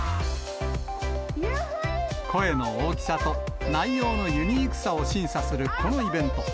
声の大きさと内容のユニークさを審査するこのイベント。